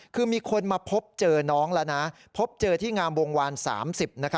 คือมีคนมาพบเจอน้องแล้วนะพบเจอที่งามวงวาน๓๐